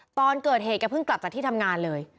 ตอนเกิดเหตุแกเพิ่งกลับจากที่ทำงานเลย